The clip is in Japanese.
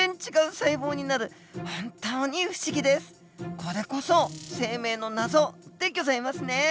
これこそ生命の謎でギョざいますね！